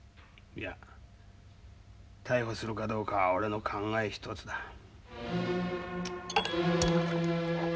いや逮捕するかどうかは俺の考え一つだ。